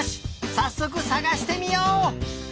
さっそくさがしてみよう！